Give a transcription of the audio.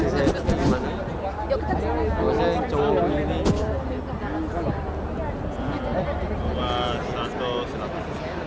saya cuma begini